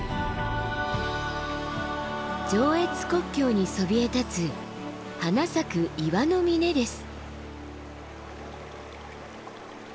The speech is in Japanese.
上越国境にそびえ立つ花咲く岩の峰です。